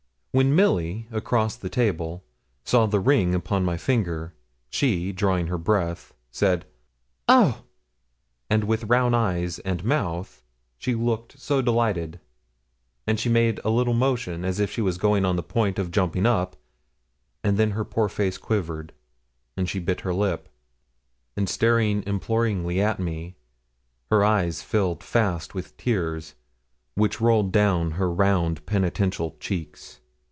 When Milly, across the table, saw the ring upon my finger, she, drawing in her breath, said, 'Oh!' and, with round eyes and mouth, she looked so delighted; and she made a little motion, as if she was on the point of jumping up; and then her poor face quivered, and she bit her lip; and staring imploringly at me, her eyes filled fast with tears, which rolled down her round penitential cheeks.